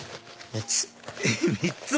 ３つ！